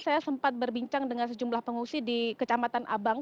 saya sempat berbincang dengan sejumlah pengungsi di kecamatan abang